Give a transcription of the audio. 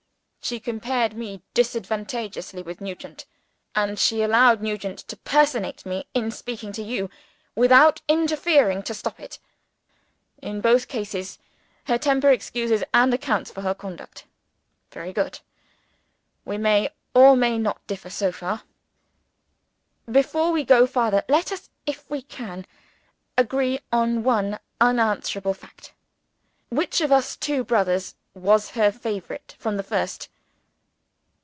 "She compared me disadvantageously with Nugent; and she allowed Nugent to personate me in speaking to you, without interfering to stop it. In both these cases, her temper excuses and accounts for her conduct. Very good. We may, or may not, differ so far. Before we go farther, let us if we can agree on one unanswerable fact. Which of us two brothers was her favorite, from the first?"